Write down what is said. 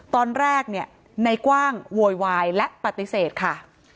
ตอนแรกในกว้างโวยไวและปฏิเสธค่ะ